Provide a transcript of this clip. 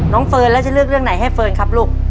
เฟิร์นแล้วจะเลือกเรื่องไหนให้เฟิร์นครับลูก